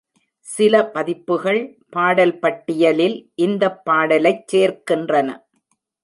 சில பதிப்புகள், பாடல் பட்டியலில் இந்தப் பாடலைச் சேர்க்கின்றன.